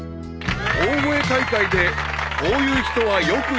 ［大声大会でこういう人はよくいる］